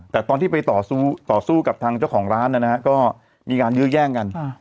แต่ตอนที่ไปต่อสู้กับทางเจ้าของร้านนะฮะก็มีการยื้อแย่งกัน